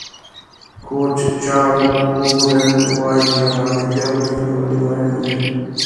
کوچ جان ووډن وایي آمادګي او رښتینولي مهم دي.